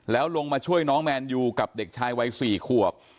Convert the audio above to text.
แล้วลงมาช่วยน้องแมนยูกับเด็กชายวัย๔ขวบ